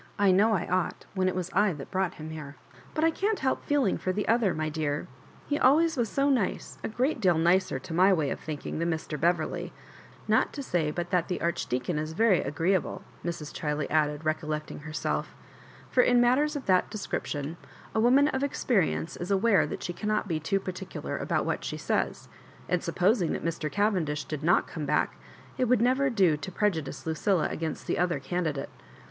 " I know I ought, when it was I that brought him here ; but I can't help feeling for the other, my dear. He always was so nice — a g^eat deal nicer, to my way of thinking, than Mr. Beverley ; not to say but that the Archdeacon is very agreeable,'* Mrs. Chiley added, recollecting herself; for in matters of that description a woman of experi Digitized by VjOOQIC loss UAB JOEIBANEIS. 67 ence is aware that she cannot be too particular about what she says; and supnosirg that Mr. Cavendish did not come back, it would never do to prejudice Lucilla against the other candidate.